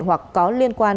hoặc có liên quan đến